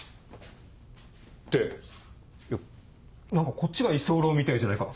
っていや何かこっちが居候みたいじゃないか。